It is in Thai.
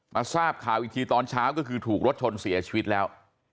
ทราบข่าวอีกทีตอนเช้าก็คือถูกรถชนเสียชีวิตแล้ว